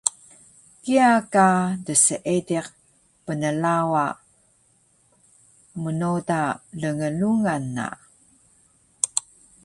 Kiya ka dseediq pnlawa mnoda lnglungan na